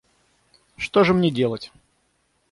Что же мне делать?